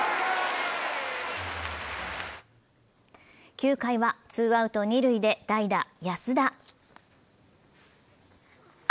９回はツーアウト・二塁で代打・安田。